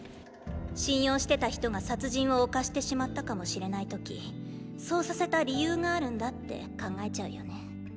信用してた人が殺人を犯してしまったかもしれない時そうさせた理由があるんだって考えちゃうよね。